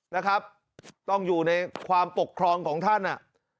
นะครับต้องอยู่ในความปกครองของท่านอ่ะ